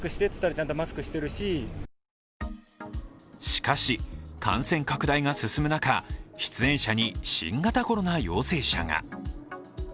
しかし、感染拡大が進む中、出演者に新型コロナ陽性者が。